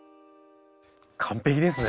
完璧ですね。